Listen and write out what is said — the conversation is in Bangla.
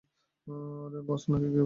আরে, বস নাকি, কী খবর?